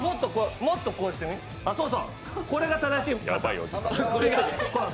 もっとこうしてみ、そうそう、これが正しい。